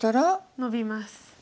ノビます。